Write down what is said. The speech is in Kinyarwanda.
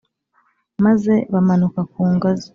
maze bamanuka ku ngazi.